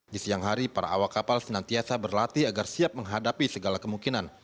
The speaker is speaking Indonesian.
di siang hari para awak kapal senantiasa berlatih agar siap menghadapi segala kemungkinan